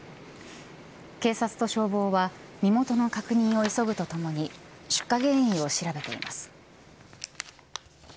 警察と消防は身元の確認を急ぐとともに出火原因を調べています。